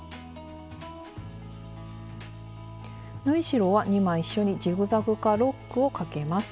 縫い代は２枚一緒にジグザグかロックをかけます。